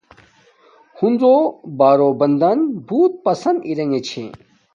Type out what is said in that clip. ہنزو بارو بندن بوت پسن ارےنݣ چھے